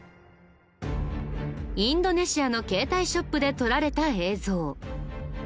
インドネシアの携帯ショップで撮られた映像。